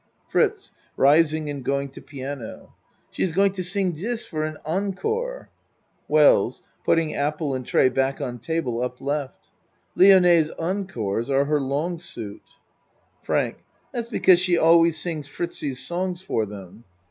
FRITZ (Rising and going to piano.) She is go ing to sing dis for an encore. WELLS (Putting apple and tray back on table up L.) Lione's encores are her long suite. FRANK That's because she always sings Fritzie's songs for them.